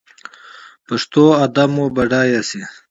پښتو ادب مو بډایه شي.